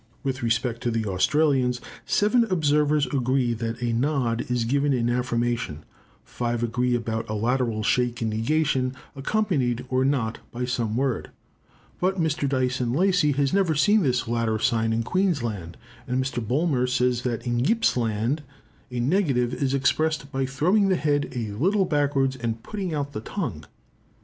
With respect to the Australians, seven observers agree that a nod is given in affirmation; five agree about a lateral shake in negation, accompanied or not by some word; but Mr. Dyson Lacy has never seen this latter sign in Queensland, and Mr. Bulmer says that in Gipps' Land a negative is expressed by throwing the head a little backwards and putting out the tongue.